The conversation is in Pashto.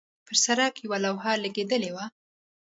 پر سړک یوه لوحه لګېدلې وه.